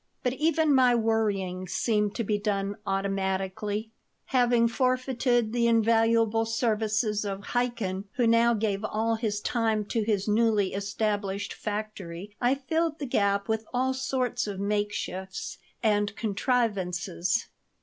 But even my worrying seemed to be done automatically Having forfeited the invaluable services of Chaikin, who now gave all his time to his newly established factory, I filled the gap with all sorts of makeshifts and contrivances.